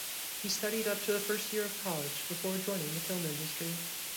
He studied up to the first year of college before joining the film industry.